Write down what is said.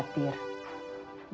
bapak tidak usah khawatir